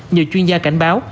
nhiều chuyên gia cảnh báo